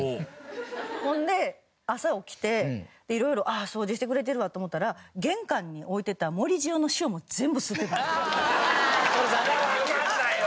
ほんで朝起きていろいろ掃除してくれてるわと思ったら玄関に置いてたそれはわかんないよ。